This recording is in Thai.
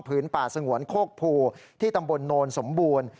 ป่าสงวนโคกภูที่ตำบลโนนสมบูรณ์